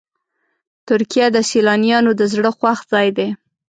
ترکیه د سیلانیانو د زړه خوښ ځای دی.